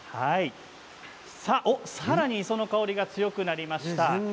さらに磯の香りが強くなりました。